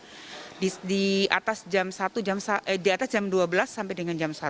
petugas dari panwaslu kemudian dari tiga saksi pasangan calon nanti akan ikut di atas jam dua belas sampai dengan jam satu